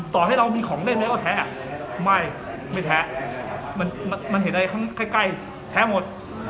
ต่อให้เรามีของได้ไหมเขาแท้ไม่ไม่แท้มันเห็นได้ทั้งใกล้ใกล้แท้หมด